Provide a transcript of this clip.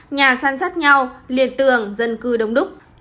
nhà săn sắt nhau liền tường dân cư đông đúc